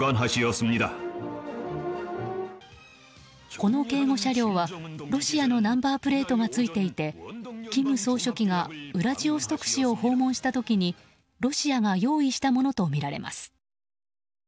この警護車両はロシアのナンバープレートがついていて金総書記がウラジオストク市を訪問した時にロシアが用意したものとみられます。